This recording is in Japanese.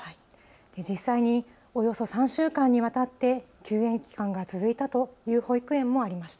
実際におよそ３週間にわたって休園期間が続いたという保育園もありました。